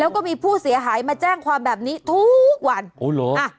แล้วก็มีผู้เสียหายมาแจ้งความแบบนี้ทุกวันโอ้เหรออ่ะ